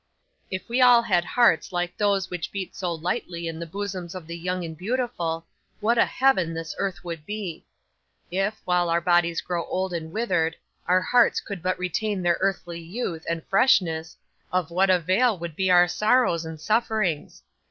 'If we all had hearts like those which beat so lightly in the bosoms of the young and beautiful, what a heaven this earth would be! If, while our bodies grow old and withered, our hearts could but retain their early youth and freshness, of what avail would be our sorrows and sufferings!